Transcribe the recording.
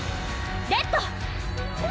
レッド！